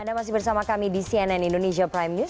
anda masih bersama kami di cnn indonesia prime news